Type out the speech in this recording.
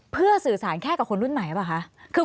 เพื่อสื่อสารแค่กับคนรุ่นใหม่หรือเปล่าคะ